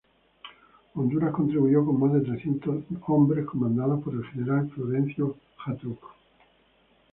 Honduras contribuyó con más de trescientos hombres comandados por el general Florencio Xatruch.